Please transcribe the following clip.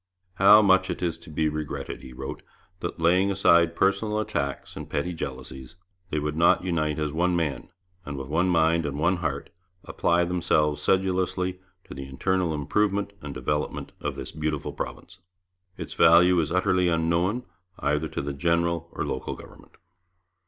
'How much it is to be regretted,' he wrote, 'that, laying aside personal attacks and petty jealousies, they would not unite as one man, and with one mind and one heart apply themselves sedulously to the internal improvement and development of this beautiful province. Its value is utterly unknown, either to the general or local government.'